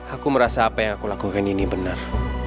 aku merasa apa yang aku lakukan ini benar